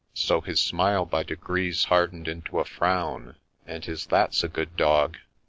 ' So his smile by degrees harden'd into a frown, And his ' That 's a good dog